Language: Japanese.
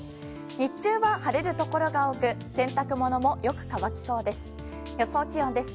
日中は晴れるところが多く洗濯物もよく乾きそうです。